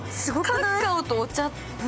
カカオとお茶？